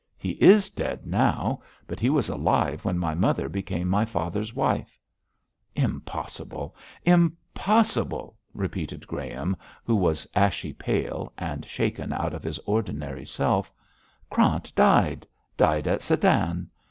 He is dead now, but he was alive when my mother became my father's wife.' 'Impossible! Impossible!' repeated Graham, who was ashy pale, and shaken out of his ordinary self. 'Krant died died at Sedan.